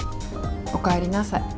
おかえりなさい。